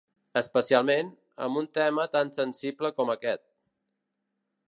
Especialment, amb un tema tan sensible com aquest.